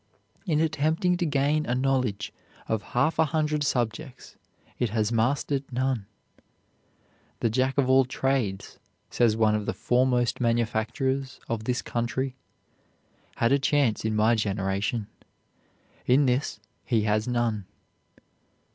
In attempting to gain a knowledge of half a hundred subjects it has mastered none. "The jack of all trades," says one of the foremost manufacturers of this country, "had a chance in my generation. In this he has none."